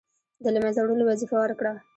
د له منځه وړلو وظیفه ورکړه.